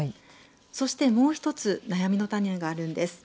そしてもう一つ悩みの種があるんです。